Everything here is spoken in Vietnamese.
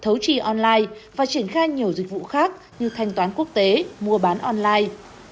thấu trì online và triển khai nhiều dịch vụ khác như thanh toán quốc tế mua bán online